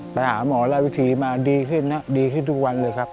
ไปหาหมอและวิธีมาดีขึ้นนะดีขึ้นทุกวันเลยครับ